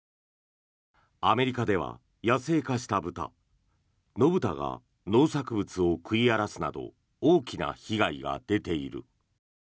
アメリカでは野生化した豚野豚が農作物を食い荒らすなど大きな被害が出ている。